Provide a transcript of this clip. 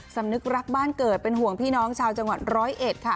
สำนึกรักบ้านเกิดเป็นห่วงพี่น้องชาวจังหวัดร้อยเอ็ดค่ะ